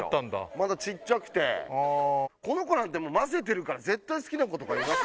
まだちっちゃくてこの子なんてませてるから絶対好きな子とかいます